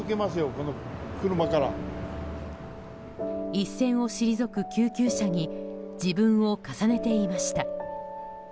一線を退く救急車に自分を重ねていました。